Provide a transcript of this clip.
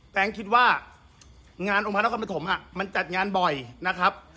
แก๊งคิดว่างานองค์พระนครปฐมมันจัดงานบ่อยนะครับ